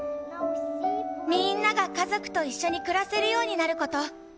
みんなが家族と一緒に暮らせるようになること。